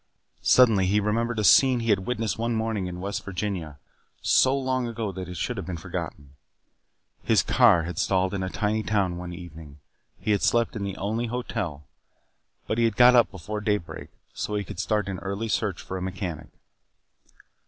Suddenly he remembered a scene he had witnessed one morning in West Virginia so long ago that it should have been forgotten. His car had stalled in a tiny town one evening. He had slept in the only hotel, but had got up before daybreak so he could start an early search for a mechanic.